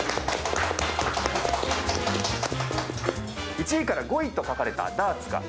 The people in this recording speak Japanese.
１位から５位と書かれたダーツがございます。